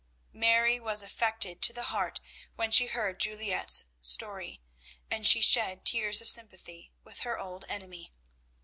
Mary was affected to the heart when she heard Juliette's story, and she shed tears of sympathy with her old enemy.